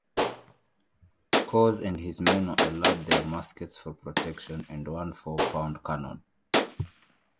Cos and his men were allowed their muskets for protection and one four-pound cannon.